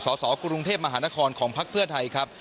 สสกรุงเทพมหานครของพักเพื่อไทยครับ